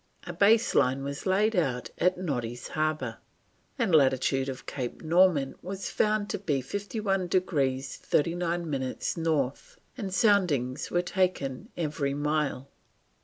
A base line was laid out at Noddy's Harbour, and the latitude of Cape Norman was found to be 51 degrees 39 minutes North; soundings were taken every mile.